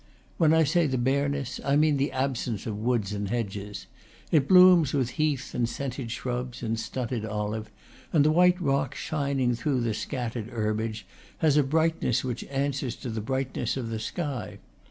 When I say the bareness, I mean the absence of woods and hedges. It blooms with heath and scented shrubs and stunted olive; and the white rock shining through the scattered herbage has a brightness which answers to the brightness of the sky.